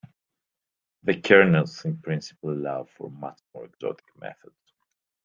The kernels in principle allow for much more exotic methods.